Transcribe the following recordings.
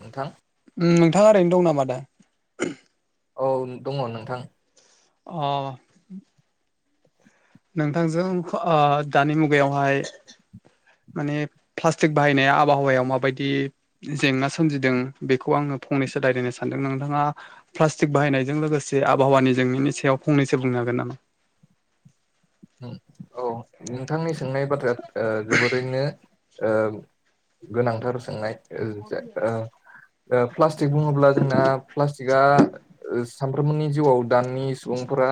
नोंथां नोंथाङा ओरैनो दं नामा दा? औ दङ नोंथां। अ नोंथांजों ओ दानि मुगायावहाय माने प्लास्टिक बाहायनाया आबहावायाव माबायदि जेंना सोमजिदों बेखौ आङो फंनैसो रायलायनो सानदों नोंथाङा प्लास्टिक बाहायनायजों लोगोसे आबहावानि जेंनानि सायाव फंनैसो बुंनो हागोन। [unintelligible] औ नोंथांनि सोंनाय बाथ्राया जोबोरैनो गोनांथार सोंनाय प्लास्टिक बुङोब्ला जोंना प्लास्टिकआ सामफ्राम नि जिउआव दानिानि सुबुंफोरा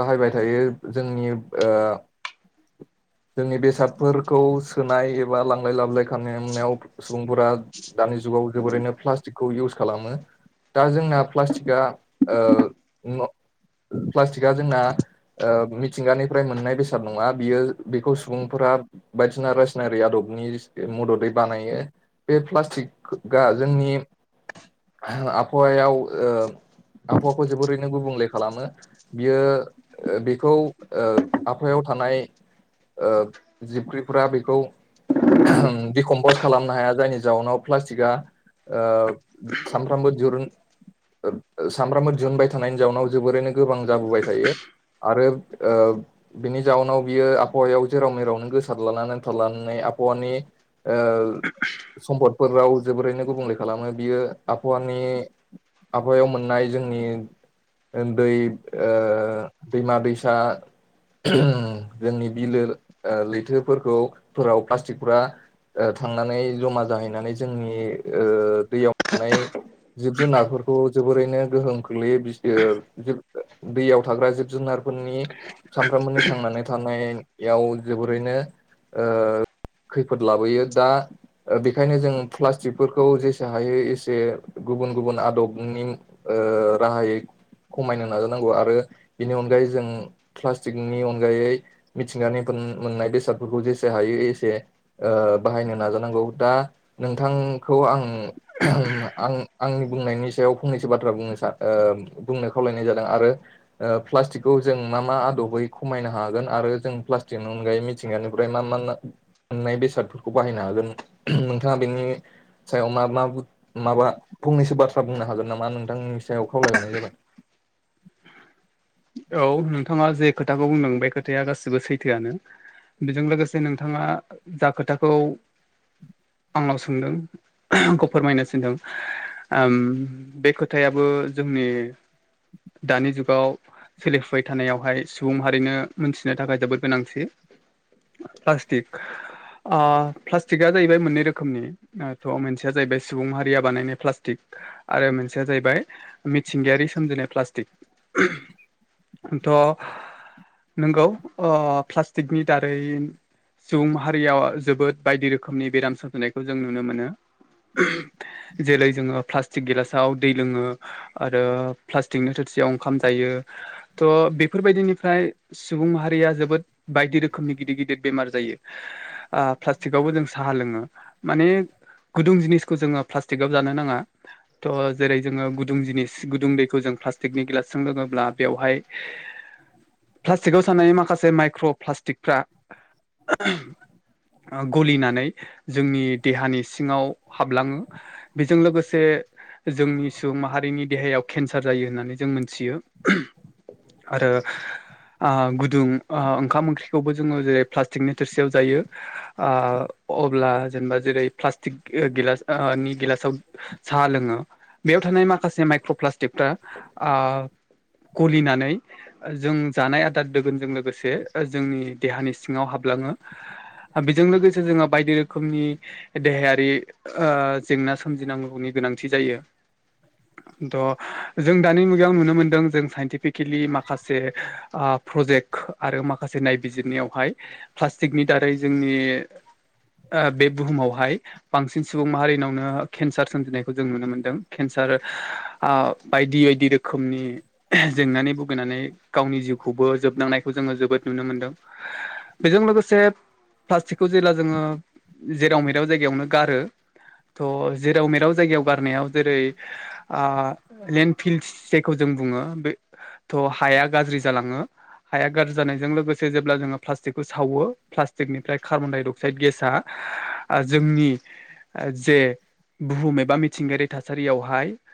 बाहायबाय दायो जोंनि ओ [inaudible] जोंनि बेसादफोरखौ सोनाय एबा लांलाय लाबोलाय खालामनायाव सुबुंफोरा दानि जुगाव जोबोरैनो प्लास्टिक खौ इउस खालामो दा जोंना प्लास्टिकआ ओ प्लास्टिकआ जोंना ओ मिथिंगानिफ्राय मोननाय बेसाद नङा बियो बेखौ सुबुंफोरा बायदिसिना आरि आदबनि मददै बानायो बे प्लास्टिकआ जोंनि आबहावायाव ओ आबहावाखौ जोबोरैनो गुबुंले खालामो बियो बेखौ ओ आफायाव थानाय ओ जिबख्रिफोरा बेखौ दिडकमपस्ट खालामनो हाया जायनि जाउनाव प्लास्टिकआ ओ सानफ्रामबो दिरून सामफ्रामबो दिरूनबाय थानायनि जाउनाव जोबोरैनो गोबां जाबोबाय थायो आरो ओ बिनि जाउनाव बियो आबहावायाव जेराव मेरावनो गोसार लानानै थालांनाया आबहावानि ओ सम्पदफोराव जोबोरैनो गुबुंले खालामो बियो आबहावानि आबहावायाव मोननाय ज जोंनि ओन्दै ओ दैमा-दैसा जोंनि बिलो ओ लैथोफोरखौ फोराव प्लास्टिकफ्रा ओ थांनानै जमा जाहैनानै जोंनि ओ दैयाव थानाय जिब-जुनारफोरखौ जोबोरैनो गोहोम खोख्लैयो बि ओ जि दैयाव थाग्रा जि जुनारफोरनि सानफ्रामबोनि थांनानै थानाय बेयाव जोबोरैनो ओ खैफोद लाबोयो दा बेखायनो जों प्लास्टिकफोरखौ जेसे हायो एसे गुबुन गुबुन आदबनि ओ राहायै खमायनो नाजानांगौ आरो बेनि अनगायै जों प्लास्टिकनि अनगायै मिथिंगानिफोर मोननाय बेसादफोरखौ जेसे हायो एसे ओ बाहायनो नाजानांगौ दा नोंथांखौ आं आं आंनि बुंनायनि सायाव फंनैसो बाथ्रा बुंनो ओ बुंनो खावलायनाय जादों आरो ओ प्लास्टिकखौ जों मा मा आदबै खमायनो हागोन आरो जों प्लास्टिकनि अनगायै मिथिंगानिफ्राय मा मा मोननाय बेसादफोरखौ बाहायनो हागोन नोंथाङा बेनि सायाव मा मा माबा फंनैसो बाथ्रा बुंनो हागोन नामा नोंथांनि सायाव खावलायहरनाय जाबाय [inaudible] औ नोंथाङा जे खोथाखौ बुंदों बे खोथाया गासिबो सैथोआनो बेजों लोगोसे नोंथाङा जा खोथाखौ आंनाव सोंदों आंखौ फोरमायनो सिन्दों ओम बे खोथायाबो जोंनि दानि जुगाव सोलिफुबाय थानायावहाय सुबुंहारिनो मोनथिनो थाखाय जोबोद गोनांथि प्लासटिक ओ प्लास्टिकआ जाहैबाय मोननै रोखोमनि थ' मोनसेया जाहैबाय सुबुंमाहारिया बानायनाय प्लास्टिक आरो मोनसेया जाहैबाय मिथिंगायारि सोमजिनाय प्लास्टिक थ' नंगौ ओ प्लास्टिकनि दारै सुबुं माहारियाव जोबोद बायदि रोखोमनि बेराम सोमजिनायखौ जों नुनो मोनो जेरै जोङो प्लास्टिक गिलासाव दै लोङो आरो प्लास्टिकनि थोर सियाव ओंखाम जायो थ' बेफोरबायदिनिफ्राय सुबुं माहारिया जोबोद बायदि रोखोमनि गिदिर गिदिर बेमार जायो ओ प्लास्टिकावबो जों साहा लोङो माने गुदुं जिनिसखौ जोङो प्लास्टिकआव जानो नाङा थ' जेरै जोङो गुदुं जिनिस गुदुं दैखौ जों प्लास्टिकनि गिलासजों लोङोब्ला बेवहाय प्लास्टिकआव थानाय माखासे माइक्र' प्लास्टिकफ्रा [inaudible] गलिनानै जोंनि देहानि सिङाव हाबलाङो बेजों लोगोसे जोंनि सुबुं माहारिनि देहायाव केन्सार जायो होननानै जों मोनथियो आरो ओ गुदुं ओंखाम ओंख्रिखौबो जोङो जेरै प्लास्टिकनि थोरसियाव जायो अब्ला जेनेबा जेरै प्लास्टिक गिलास गिलास साहा लोङो बेयाव थानाय माखासे माइक्र' प्लास्टिकफ्रा गलिनानै जों जानाय आदार दोगोनजों लोगोसे जोंनि देहानि सिङाव हाबला आङो बेजों लोगोसे जोंहा बायदि रोखोमनि देहायारि ओ जेंना सोमजिनांगौनि गोनांथि जायो थ' जों दानि मुगायाव नुनो मोनदों जों साइन्टिफिकेलि माखासे ओ प्रजेक्ट आरो माखासे नायबिजिरनायावहाय प्लास्टिकनि दारै जोंनि ओ बे बुहुमावहाय बांसिन सुबुं माहारिनावनो केन्सार सोमजिनायखौ जों नुनो मोनदों केनसार ओ बायदि बायदि रोखोमनि जेंनानै भुगैनानै गावनि जिउखौबो जोबनांनायखौ जोङो जोबोद नुनो मोनदों बेजों लोगोसे प्लास्टिकखौ जेब्ला जोङो जेराव मेराव जायगायावनो गारो थ' जेराव मेराव जायगायाव गारनायाव जेरै ओ लेन्ड फिल्डस जायखौ जों बुङो थ हाया गाज्रि जालाङो हाया गाज्रि जानायजों लोगोसे जेब्ला जोङो प्लास्टिकखौ सावो प्लास्टिकनिफ्राय कार्बन डाइ अक्साइड गेसआ ओ जोंनि जे बुहुम एबा मिथिंगायारि थासारियावहाय [inaudible]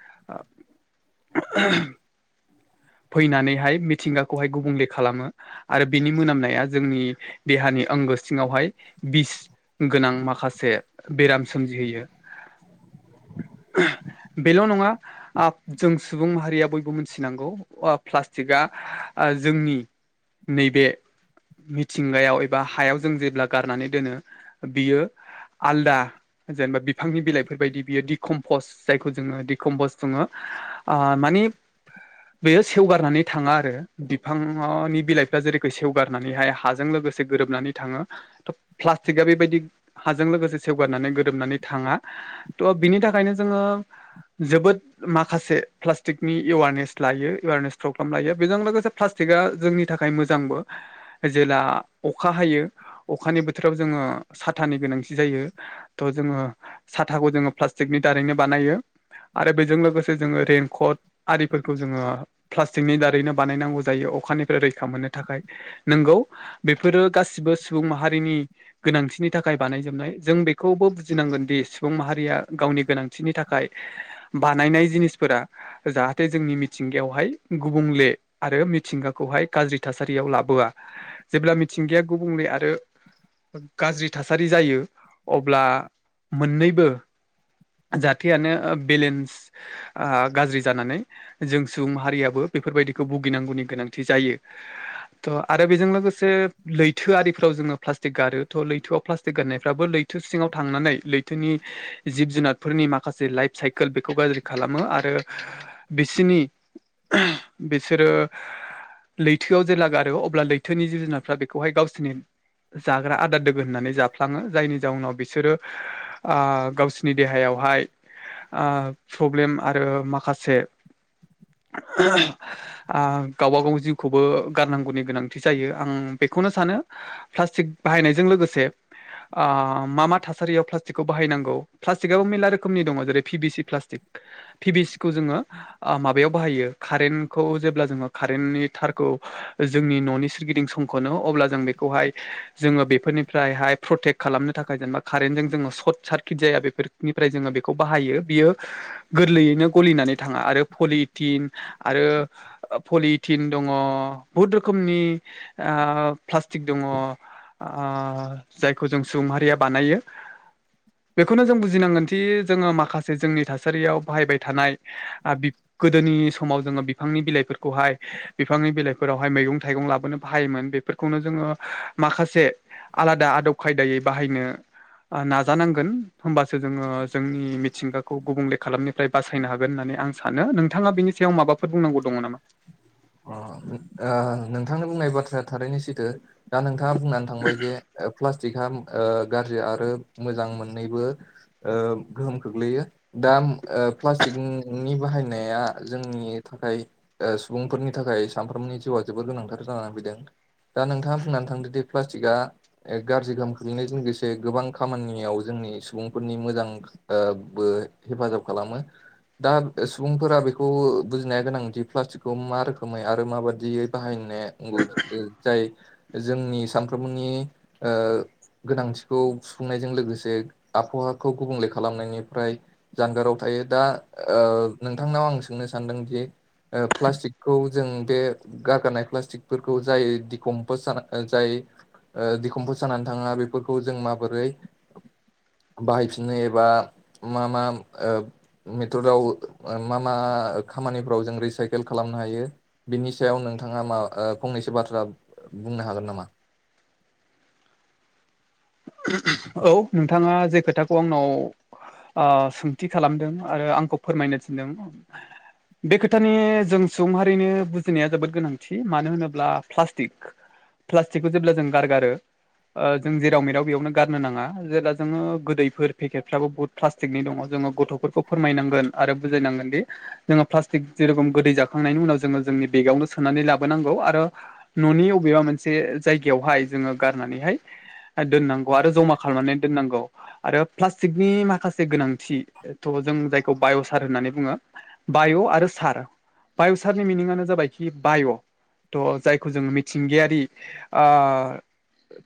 फैनानैहाय मिथिंगाखौहाय गुबुंले खालामो आरो बिनि मोनामनाया जोंनि देहानि सिङावहाय बिस गोनां माखासे बेराम सोमजिहयो बेल' नङा ओ जों सुबुं माहारिया बयबो मोनसे नंगौ आ प्लास्टिकआ जोंनि नैबे मिथिंगायाव एबा हायाव जों जेब्ला गारनानै दोनो बियो आलदा जेनेबा बिफांनि बिलाइफोर बायदि बियो दिकम्पस जायखौ जोङो दिकम्पस बुङो आ माने बेयो सेवगारनानै थाङा आरो बिफांनि बिलाइफ्रा जेरैखि सेवगारनानैहाय हाजों लोगोसे गोरोबनानै थाङो थ प्लास्टिकआ बेबायदि हाजों लोगोसे सेवगारनानै गोरोबनानै थाङा थ' बिनि थाखायनो जोङो जोबोद माखासे प्लास्टिकनि एवारनेस लायो एवारनेस प्रग्राम लायो बेजों लोगोसे प्लास्टिकआ जोंनि थाखाय मोजांबो जे जेब्ला अखा हायो अखानि बोथोराव जोङो साथानि गोनांथि जायो थ' जोङो साथाखौ जोङो प्लास्टिकनि दारैनो बानायो आरो बेजों लोगोसे जोङो रेनकट आरिफोरखौ जोङो प्लास्टिकनि दारैनो बानायनांगौ जायो अखानिफ्राय रैखा मोननो थाखाय नोंगौ बेफोरो गासिबो सुबुं माहारिनि गोनांथिनि थाखाय बानायजोबनाय जों बेखौबो बुजिनांगौ गोनदि सुबुं माहारिया गावनि गोनांथिनि थाखाय बानायनाय जिनिसफोरा जाहाथे जोंनि मिथिंगायावहाय गुबुंले आरो मिथिंगाखौहाय गाज्रि थासारियाव लाबोआ जेब्ला मिथिंगाया गुबुंले आरो गाज्रि थासारि जायो अब्ला मोननैबो जाथायानो ओ बेलेन्स आ गाज्रि जानानै जों सुबुं हारियाबो बेफोरबायदिखौ भुगिनांगौनि गोनांथि जायो थ' आरो बेजों लोगोसे लैथो आरिफ्राव जोङो प्लास्टिक गारो थ' लैथोआव प्लास्टिक गारनायफ्राबो लैथो सिङाव थां थांनानै लैथोनि जिब जुनारफोरनि माखासे लाइफ साइकेल बेखौ गाज्रि खालामो आरो बिसिनि बिसोरो लैथोआव जेब्ला गारो अब्ला लैथोनि जिब जुनारफ्रा बेखौहाय गावसिनि जाग्रा आदार दोगोन होननानै जाफ्लाङो जायनि जाउनाव बिसोरो गावसोरनि देहायाव बहाय ओ प्रब्लेम आरो माखासे आ गावबा गाव जिउखौबो गारनांगौनि गोनांथि जायो आं बे बेखौनो सानो प्लासतिक बाहायनायजों लोगोसे आ मा मा थासारियाव खौ बाहायनांगौ प्लास्टिकआबो मेरला रोखोमनि दङ जेरै भिभ सि प्लास्टिक पि खौ जोङो ओ माबायाव बाहायो कारेनखौ जेब्ला जोङो कारेनि थार जोंनि न'नि सोरगिदिं समखौनो अब्ला जों बेखौहाय जोङो बेफोरनिफ्रायहाय प्रटेक्ट खालामनो थाखाय जेनबा कारेन्ट जोङो सट सार्किट जाया बेफोरनिफ्राय जों बेखौ बाहायो बियो गोरलैयैनो गलिनानै थाङा आरो पलिथिन आरो पलिथिन दङ बहुद रोखोम नि ओ प्लासटिक दङ आ जायखौ जों सुबुं माहारिया बानायो बेखौनो जों बुजिनांगोनदि जोङो माखासे जोंनि थासारियाव बाहायबाय थायो थानाय ओ गोदोनि समाव जोङो बिफांनि बिलाइफोरखौहाय बिफांनि बिलाइफोरावहाय म मैगं थाइगं लाबोनो बाहायोमोन बेफोरखौनो जोङो माखासे आलादा आदब खायदायै बाहायनो ओ नाजानांगोन होमबासो जोङो जोंनि मिथिंगाखौ गुबुंले खालामनिफ्राय बासायनो हागोन होननानै आं सानो नोंथाङा बेनि सायाव माबाफोर बुंनांगौ दङ नामा अ ओ नोंथांनो बुंनाय बाथ' थारैनो सैथो दा नोंथाङा बुंनानै थांबाय जे ओ प्लास्टिकआ ओ गाज्रि आरो मोजां मोननैबो ओ गोहोम खोख्लैयो दा प्लास्टिकनि बाहायनाया जोंनि थाखाय ओ सुबुंफोरनि थाखाय सानफ्रोमबोनि जिउआ जोबोर गोनांथार जानानै फैदों दा नोंथाङा बुंनानै थांदोदि प्लास्टिकआ ओ गाज्रि गोाहाम ख्लैनायजों लोगोसे गोबां खामानियाव जोङो जोंनि सुबुंफोरनि मोजां ओ बो हेफाजाब खालामो दा सुबुंफोरा बेखौ बुजिनाया गोनांदि प्लास्टिकखौ मा रोखोम रोखोमै आरो माबाददियै बाहायनो नौ जाय जोंनि सानफ्रोमबोनि ओ गोनांथिखौ सुफुंनायजों लोगोसे आबहावाखौ गुबुंले खालामनायनिफ्राय जानगाराव थायो दा नोंथांनाव आं सोंनो सानदोंदि प्लासटिक खौ जों बे गारगारनाय प्लास्टिकफोरखौ जाय दिकमपस जानाय जाय ओ दिखम्फ जानानै थाङा बेफोरखौ जों माबोरै बाहायफिननो एबा मा मा ओ मेथ'दाव मा मा खामानिफोराव जों रिसायकेल खालाम नो हायो बिनि सायाव नोंथाङा मा फंनैसो बाथ्रा बुंनो हागोन नामा औ नोंथाङा जे खोथाखौ आंनाव सोंथि खालामदों आरो आंखौ फोरमायनो थिनदों बे खोथानि जों सुबुंहारिनो बुजिनाया जोबोद गोनांथि मानो होनोब्ला प्लास्टिक प्लास्टिकखौ जेब्ला जों गार गारो जों जेराव मेराव बेयावनो गारनो नाङा जेला जोङो गोदैफोर पेकेटफ्राबो बहुत प्लास्टिकनि दङ जोङो गथ'फोरखौ फोरमायनां गोन आरो बायनांगोन दि जोङो प्लास्टिक जेरेखम गोदै जाखांनायनि उनाव जोङो जोंनि बेगावनो सोनानै लाबो नांगौ आरो ननि अबेबा मोनसे जायगायावहाय जोंङो गारनानै दोननां गौ आरो जमा खालामना दोनांगौ आरोनि प्लास्टिकनि माखासे गोनांथि जों जायखौ बाय' सार होननानै बुङो बाय' आरो सार बाय'सारनि मिनिङानो जाबायखि बाय' थह जायखौ जोङो मिथिंगायारि ओ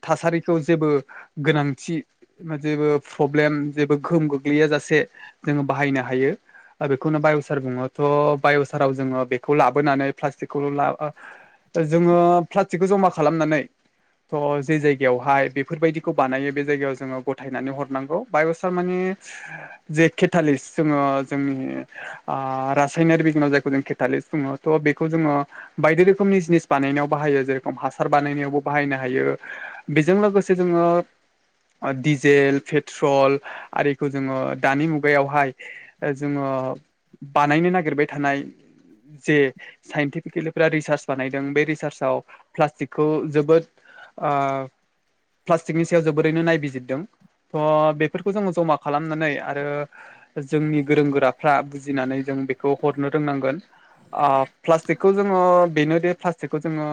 थासारिखौ जेबो गोनांथि जेबो प्रब्लेम जेबो गोहोम गोग्लैया जासे जोङो बाहायनो हायो बेखौनो बाय'सार बुङोथ' बाय'साराव जोङो बेखौ लाबोनानै प्लास्टिकखौल' ला जोङो प्लास्टिकखौ जमा खालामनानै थ' जे जायगायावहाय बेफोरबायदि बानायो बे जायगायाव जोङो गथायनानै हरनांगौ बायसार माने जे केटालि जोङो ओ जोंनि ओ रासायनारि बिगनो जायखौ जों केटालिस बुङो थ' बेखौ जोङो बायदि रोखोमनि जिनिस बानायनायाव बाहायो जेरेखम हासार बानायनायावबो बाहायनो हायो बेजों लोगोसे जोङो [inaudible] दिडिजेल पेट्रल आरिखौ जोङो दानि मुगायावहाय जोङो। बानायनो नागिरबाय थानाय जे साइन्टिफिकेलिफ रिसार्च बानायदों बे रिसार्चआव प्लास्टिकखौ जोबोद ओ प्लास्टिकनि सायाव जोबोरैनो नायबिजिरदों थ' बेफोरखौ जोङो जमा खालामनानै आरो जोंनि गोरों गोराफ्रा बुजिनानै जों बेखौ हरनो रोंनांगोन ओ प्लास्टिकखौ जोङो बेनोदि प्लास्टिकखौ जोङो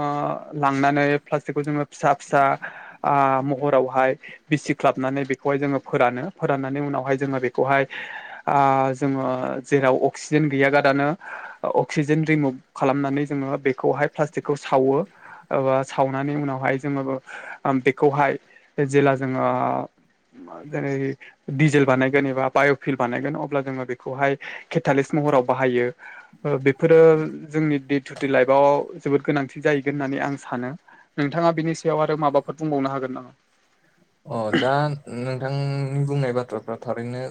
लांनानै प्लास्टिकखौ जोङो फिसा फिसा ओ म हरावहाय बिसिख्लाबनानै बेखौहाय जोङो फोरानो फोराननानै उनावहाय जोङो बेखौहाय आ जोङो जेराव अक्सिजेन गैयागारानो अक्सिजेन रिमुभ खालामनानै जोङो बेखौहाय प्लास्टिकखौ सावो बा सावनानै उनावहाय जोङो बेखौहाय जेला जोङो जेरै डिजेल बानायगोन एबा बाय'फिल बानायगोन अब्ला जोङो बेखौहाय केटालिस महराव बाहायो बेफोरो जोंनि दे टु दे लाइफआव जोबोद गोनांथि जाहैगोन होननानै आं सानो नोंथाङा बिनि सायाव आरो माबा फोर बुंबावनो हागोन नामा अ दा नोंथांनि बुंनाय बाथ्राफ्रा थारैनो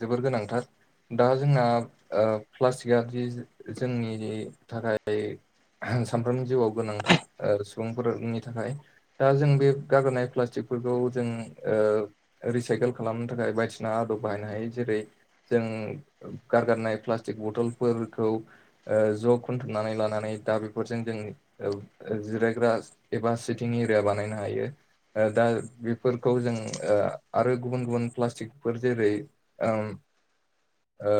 जोबोर गोनांथार दा जोंना ओ प्लास्टिकआ जि जोंनि थाखाय सानफ्रोमबो जिउआव गोनांथार सुबुंफोरनि थाखाय दा जों बे गागोनाय प्लास्टिकफोरखौ जों ओ रिसाइकेल खालामनो थाखाय बायदिसिना आदब बाहायनो हायो जेरै जों गारगारनाय प्लास्टिक बथलफोरखौ ओ ज' खनथुमनानै लानानै दा बेफोरजों जों जिरायग्रा एबा सिटिं एरिया बानायनो हायो। ओ दा बेफोरखौ जों ओ आरो गुबुन गुबुन प्लास्टिकफोर जेरै उम औ